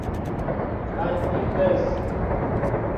Kaj inverse.